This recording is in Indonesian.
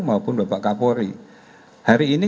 maupun bapak kapolri hari ini